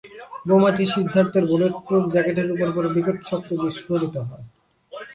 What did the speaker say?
বোমাটি সিদ্ধার্থের bullet proof জ্যাকেটের ওপর পড়ে বিকট শব্দে বিস্ফোরিত হয়।